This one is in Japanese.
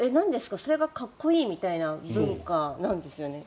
それがかっこいいみたいな文化なんですね。